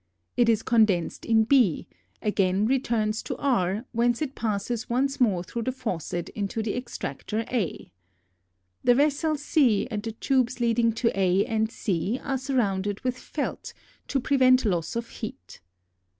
It is condensed in B, again returns to R, whence it passes once more through the faucet into the extractor A. The vessel C and the tubes leading to A and C are surrounded with felt to prevent loss of heat.